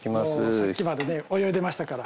さっきまで泳いでましたから。